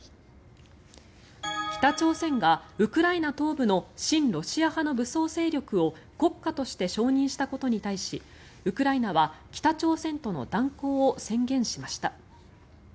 北朝鮮が、ウクライナ東部の親ロシア派の武装勢力を国家として承認したことに対しウクライナは北朝鮮との断交を宣言しました。